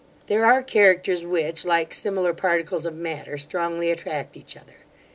There are characters which, like similar particles of matter, strongly attract each other.